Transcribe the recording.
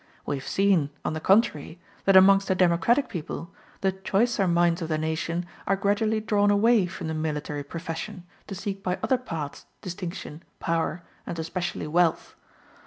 We have seen, on the contrary, that amongst a democratic people the choicer minds of the nation are gradually drawn away from the military profession, to seek by other paths, distinction, power, and especially wealth.